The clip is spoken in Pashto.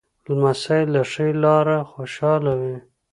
لمسی له ښې لاره خوشحاله وي.